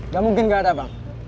gak mungkin gak ada bang